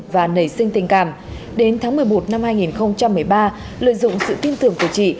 và nảy sinh tình cảm đến tháng một mươi một năm hai nghìn một mươi ba lợi dụng sự tin tưởng của chị